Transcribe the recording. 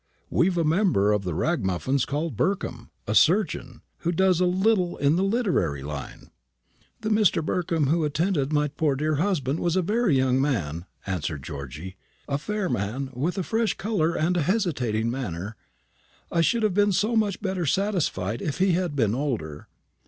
We've a member of the Ragamuffins called Burkham, a surgeon, who does a little in the literary line." "The Mr. Burkham who attended my poor dear husband was a very young man," answered Georgy; "a fair man, with a fresh colour and a hesitating manner. I should have been so much better satisfied if he had been older."